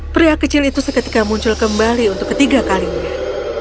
pria kecil itu seketika muncul kembali untuk ketiga kalinya